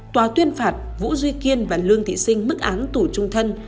tòa tuyên phạt vũ duy kiên và lương thị sinh mức án tù trung thân